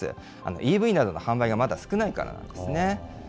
ＥＶなどの販売がまだ少ないからなんですね。